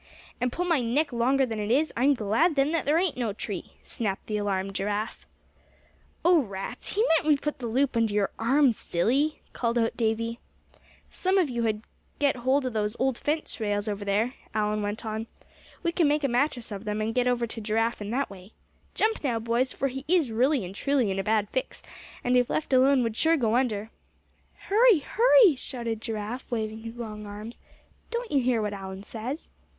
"And pull my neck longer than it is; I'm glad then there ain't no tree!" snapped the alarmed Giraffe. "Oh! rats, he meant we'd put the loop under your arms, silly!" called out Davy. "Some of you get hold of those old fence rails over there," Allan went on. "We can make a mattress of them, and get over to Giraffe in that way. Jump, now, boys, for he is really and truly in a bad fix; and if left alone would sure go under." "Hurry! hurry!" shouted Giraffe, waving his long arms; "don't you hear what Allan says?